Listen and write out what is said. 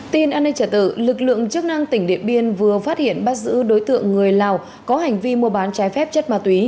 tin an ninh trả tự lực lượng chức năng tỉnh điện biên vừa phát hiện bắt giữ đối tượng người lào có hành vi mua bán trái phép chất ma túy